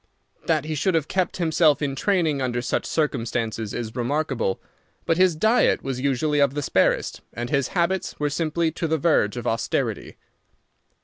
That he should have kept himself in training under such circumstances is remarkable, but his diet was usually of the sparest, and his habits were simple to the verge of austerity.